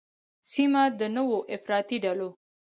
سیمه د نوو افراطي ډلو